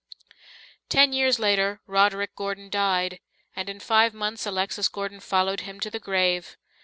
Ten years later Roderick Gordon died, and in five months Alexis Gordon followed him to the grave.